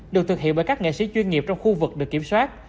được thực hiện bởi các nghệ sĩ chuyên nghiệp trong khu vực được kiểm soát